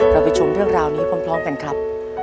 ไปชมเรื่องราวนี้พร้อมกันครับ